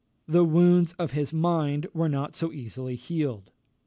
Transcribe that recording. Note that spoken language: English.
The wounds of his mind were not so easily healed.